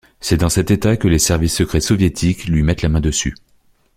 C'est dans cet état que les services secrets soviétiques lui mettent la main dessus.